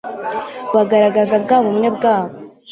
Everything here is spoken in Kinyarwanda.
bugaragaza bwa bumwe bwabo